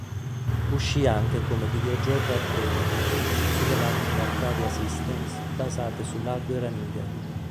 Uscì anche come videogioco arcade, sulle macchine Arcadia Systems basate sull'hardware Amiga.